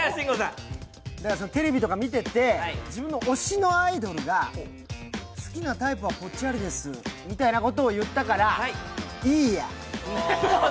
テレビとか見てて、自分の推しのアイドルが好きなタイプはぽっちゃりですみたいなことを言ったからいいや。